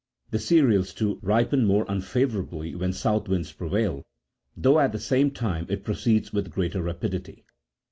The cereals, too, ripen more unfavourably when south winds prevail, though at the same time it pro ceeds with greater rapidity.